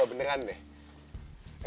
gue beneran ya